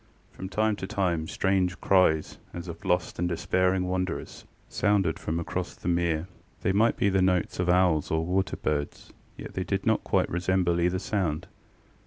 From time to time strange cries as of lost and despairing wanderers sounded from across the mere. They might be the notes of owls or water birds, yet they did not quite resemble either sound.